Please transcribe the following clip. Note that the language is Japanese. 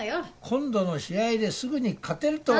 今度の試合ですぐに勝てるとは。